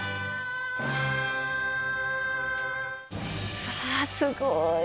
うわー、すごい。